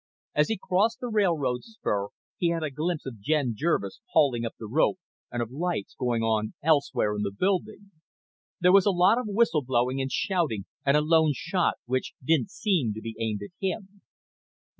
As he crossed the railroad spur he had a glimpse of Jen Jervis hauling up the rope and of lights going on elsewhere in the building. There was a lot of whistle blowing and shouting and a lone shot which didn't seem to be aimed at him.